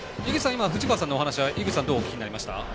今、藤川さんのお話は井口さんどうお聞きになりました？